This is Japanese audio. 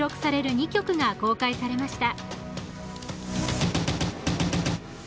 ２曲が公開されました。